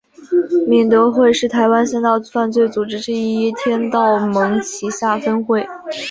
敏德会是台湾三大犯罪组织之一天道盟旗下分会。